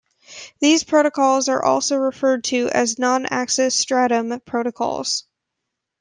These protocols are also referred to as "Non Access Stratum" protocols.